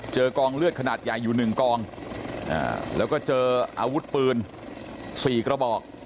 กองเลือดขนาดใหญ่อยู่๑กองแล้วก็เจออาวุธปืน๔กระบอก